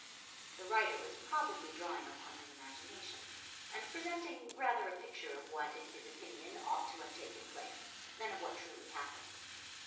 '" The writer was probably drawing upon his imagination, and presenting rather a picture of what, in his opinion, ought to have taken place than of what truly happened.